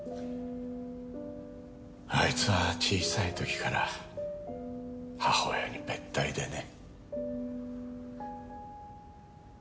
あいつは小さい時から母親にべったりでね。